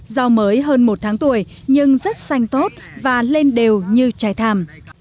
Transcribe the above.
giao mới hơn một tháng tuổi nhưng rất xanh tốt và lên đều như trái thàm